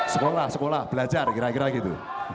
sekolah sekolah belajar kira kira gitu